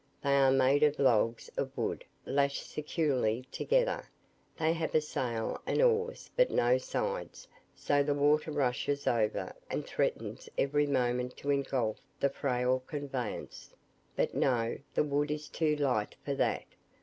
They are made of logs of wood lashed securely together; they have a sail and oars but no sides, so the water rushes over, and threatens every moment to engulf the frail conveyance; but no, the wood is too light for that.